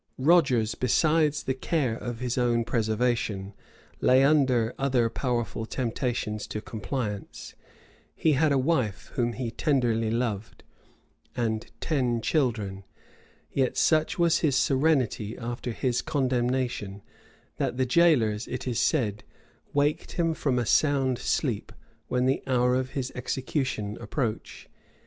Rogers, beside the care of his own preservation, lay under other powerful temptations to compliance: he had a wife whom he tenderly loved, and ten children; yet such was his serenity after his condemnation, that the jailers, it is said, waked him from a sound sleep when the hour of his execution approached.